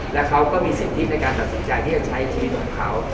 และเขาก็มีสิทธิในการตัดสินใจที่จะใช้ชีวิตของเขา